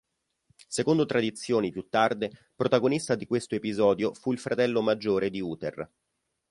Secondo tradizioni più tarde, protagonista di questo episodio fu il fratello maggiore di Uther.